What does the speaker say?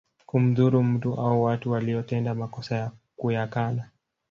Kumdhuru mtu au watu waliotenda makosa na kuyakana